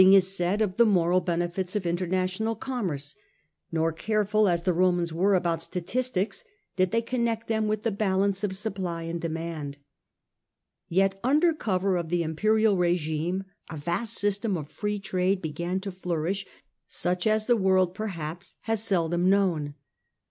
The State of Trade, 199 }« said of the moral benefits of international commerce , nor, careful as the Romans were about statis tics, did they connect them with the balance literal of supply and of demand. Yet under cover of the imperial r^ghne a vast system of free trade free trade began to flourish, such as the world perhaps has seldom known.